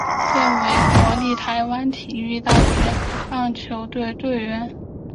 现为国立台湾体育大学棒球队队员。